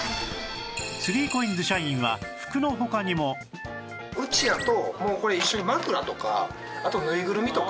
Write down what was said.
３ＣＯＩＮＳ 社員は服の他にもうちやともうこれ一緒に枕とかあとぬいぐるみとか。